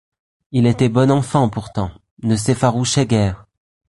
Il était bon enfant pourtant, ne s’effarouchait guère.